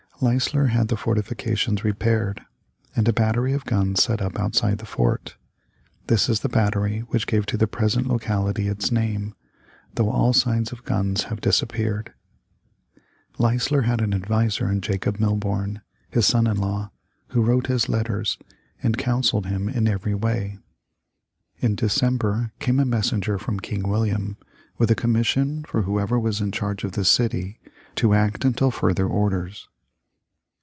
Leisler had the fortifications repaired, and a battery of guns set up outside the fort. This is the battery which gave to the present locality its name, though all signs of guns have disappeared. Leisler had an adviser in Jacob Milborne, his son in law, who wrote his letters, and counselled him in every way. In December came a messenger from King William, with a commission for whoever was in charge of the city, to act until further orders.